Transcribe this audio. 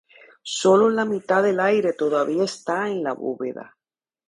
Sólo la mitad del aire todavía está en la bóveda.